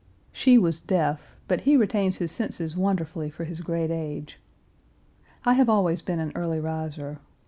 She was deaf; but he retains his senses wonderfully for his great age. I have always been an early riser.